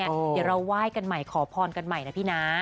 เดี๋ยวเราไหว้กันใหม่ขอพรกันใหม่นะพี่น้า